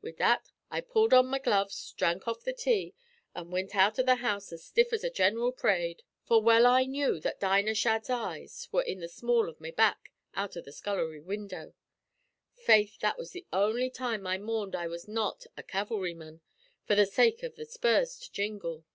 Wid that I pulled on my gloves, dhrank off the tea, an' wint out av the house as stiff as at gineral p'rade, for well I knew that Dinah Shadd's eyes were in the small av my back out av the scullery window. Faith, that was the only time I mourned I was not a cav'lryman, for the sake av the spurs to jingle.